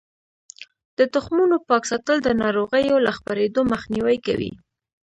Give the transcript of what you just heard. د تخمونو پاک ساتل د ناروغیو له خپریدو مخنیوی کوي.